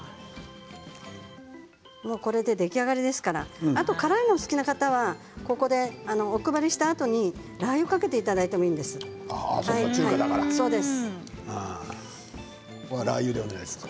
これで出来上がりですから辛いのが好きな方はここでお配りしたあとにラーユをかけていただければいいと思います。